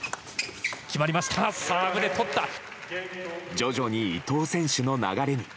徐々に伊藤選手の流れに。